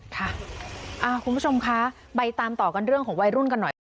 คุณผู้ชมคะไปตามต่อกันเรื่องของวัยรุ่นกันหน่อยค่ะ